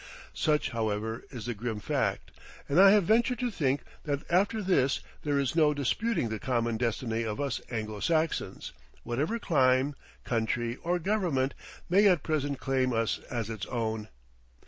Such, however, is the grim fact, and I have ventured to think that after this there is no disputing the common destiny of us Anglo Saxons, whatever clime, country, or government may at present claim us as its own.